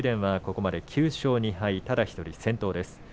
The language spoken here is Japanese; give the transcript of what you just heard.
ここまで９勝２敗ただ１人先頭です。